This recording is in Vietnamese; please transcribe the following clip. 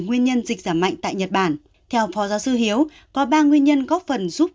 nguyên nhân dịch giảm mạnh tại nhật bản theo phó giáo sư hiếu có ba nguyên nhân góp phần giúp